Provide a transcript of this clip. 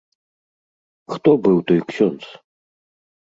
Хто быў той ксёндз?